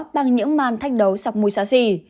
bằng những màn thách đấu sọc mùi xã xỉ